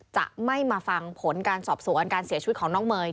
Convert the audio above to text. จะไม่มาฟังผลการสอบสวนการเสียชีวิตของน้องเมย์